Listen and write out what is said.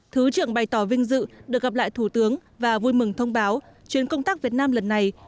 thứ trưởng bày tỏ vinh dự được gặp lại thủ tướng và vui mừng thông báo chuyến công tác việt nam lần này